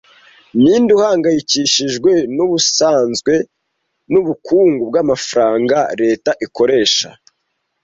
Ninde uhangayikishijwe n'ubusanzwe n'ubukungu bw'amafaranga leta ikoresha